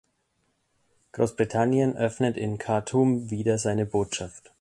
Großbritannien öffnet in Khartum wieder seine Botschaft.